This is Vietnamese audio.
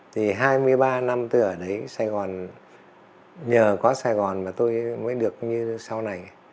thì hai mươi ba năm tôi ở đấy sài gòn nhờ có sài gòn mà tôi mới được như sau này